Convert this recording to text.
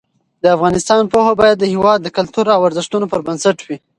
د افغانستان پوهه باید د هېواد د کلتور او ارزښتونو پر بنسټ وي.